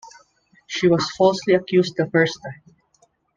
She was falsely accused the first time.